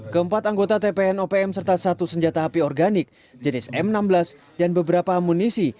keempat anggota tpn opm serta satu senjata api organik jenis m enam belas dan beberapa amunisi